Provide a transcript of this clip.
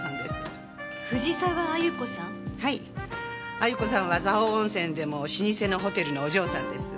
亜由子さんは蔵王温泉でも老舗のホテルのお嬢さんです。